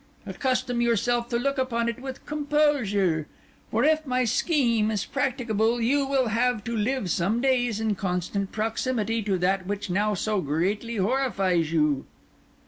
Accustom yourself to look upon it with composure; for if my scheme is practicable you will have to live some days in constant proximity to that which now so greatly horrifies you."